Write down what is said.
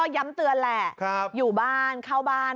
แต่หลังที่อยู่บ้านเข้าบ้าน